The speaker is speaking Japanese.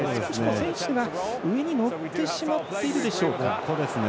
選手が、上に乗ってしまっているでしょうか。